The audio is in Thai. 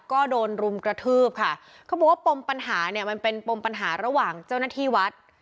ก็โดนรุมกระทืบค่ะเขาบอกว่าปมปัญหาเนี่ยมันเป็นปมปัญหาระหว่างเจ้าหน้าที่วัด